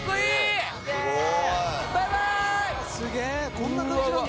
こんな感じなんだ。